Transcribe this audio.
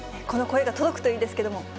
この声が届くといいですけども。